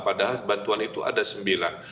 padahal bantuan itu ada sembilan